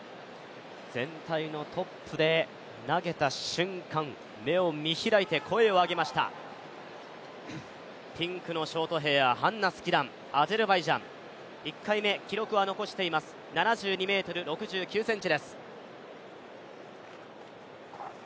全体のトップで投げた瞬間、目を見開いて声を上げました、ピンクのショートヘア、ハンナ・スキダン、アゼルバイジャン、１回目記録は残しています、７２ｍ６９ｃｍ。